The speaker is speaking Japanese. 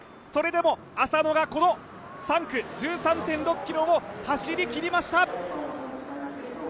それでも、浅野が３区１３．６ｋｍを走りきりました。